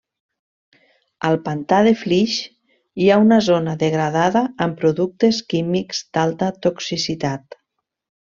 Al Pantà de Flix hi ha una zona degradada amb productes químics d'alta toxicitat.